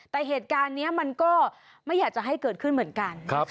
แต่เหตุการณ์นี้มันก็ไม่อยากจะให้เกิดขึ้นเหมือนกัน